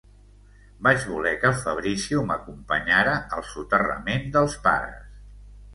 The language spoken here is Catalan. Vaig voler que el Fabrizio m'acompanyara al soterrament dels pares.